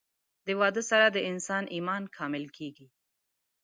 د واده سره د انسان ايمان کامل کيږي